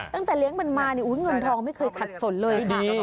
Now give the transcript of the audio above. ตั้งแต่เลี้ยงมันมามีเงินทองวุ้ยไม่เคยขัดสนเลยค่ะ